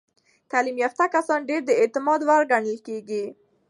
تعلیم یافته کسان ډیر د اعتماد وړ ګڼل کېږي.